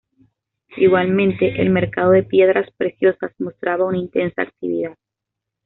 Igualmente, el mercado de piedras preciosas mostraba una intensa actividad.